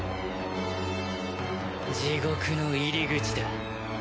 地獄の入り口だ。